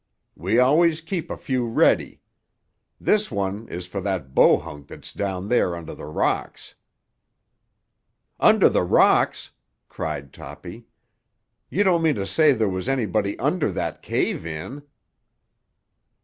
"We always keep a few ready. This one is for that Bohunk that's down there under the rocks." "Under the rocks!" cried Toppy. "You don't mean to say there was anybody under that cave in!"